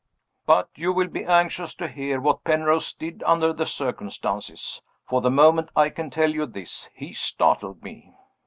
But you will be anxious to hear what Penrose did under the circumstances. For the moment, I can tell you this, he startled me.